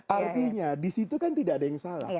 artinya disitu kan tidak ada yang salah